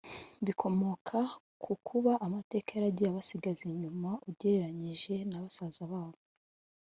bikomoka ku kuba amateka yaragiye abasigaza inyuma ugereranyije na basaza babo